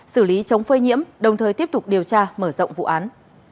xử lý chống phơi nhiễm đồng thời tiếp tục điều tra mở rộng vụ án